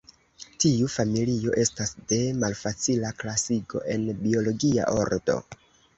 Tiu familio estas de malfacila klasigo en biologia ordo.